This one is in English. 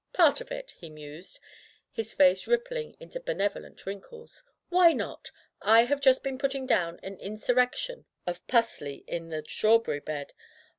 "Part of it," he mused, his face rippling into benevolent wrinkles. "Why not ? I have just been putting down an insurrection of 'pusley' in the strawberry bed.